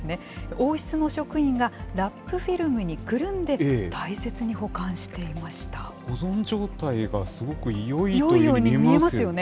王室の職員がラップフィルムにく保存状態がすごくよいというよいように見えますよね。